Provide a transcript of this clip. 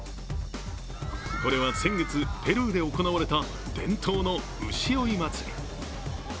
これは先月、ペルーで行われた伝統の牛追い祭り。